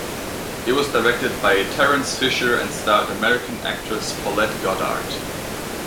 It was directed by Terence Fisher and starred American actress Paulette Goddard.